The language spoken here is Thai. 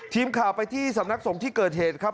ทีมข่าวไปที่สำนักสงฆ์ที่เกิดเหตุครับ